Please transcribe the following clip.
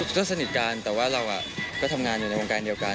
ก็สนิทกันแต่ว่าเราก็ทำงานอยู่ในวงการเดียวกัน